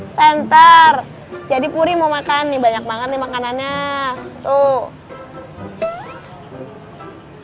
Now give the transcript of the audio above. center jadi puri mau makan nih banyak banget nih makanannya tuh